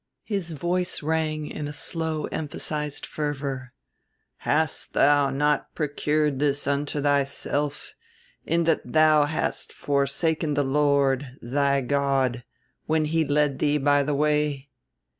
His voice rang in a slow emphasized fervor: "'Hast thou not procured this unto thyself, in that thou hast forsaken the Lord, thy God, when he led thee by the way?